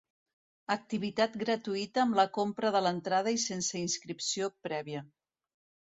Activitat gratuïta amb la compra de l'entrada i sense inscripció prèvia.